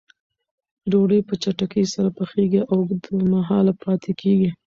ډوډۍ په چټکۍ سره پخیږي او اوږد مهاله پاتې کېږي.